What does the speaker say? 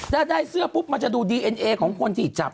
ถ้าได้เสื้อปุ๊บมันจะดูดีเอ็นเอของคนที่จับ